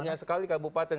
banyak sekali kabupaten